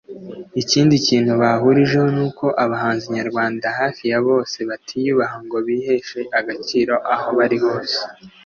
Ikindi kintu bahurijeho nuko abahanzi Nyarwanda hafi ya bose ngo batiyubaha ngo biheshe agaciro aho bari hose